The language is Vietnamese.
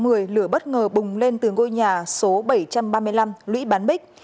cửa bất ngờ bùng lên từ ngôi nhà số bảy trăm ba mươi năm lũy bán bích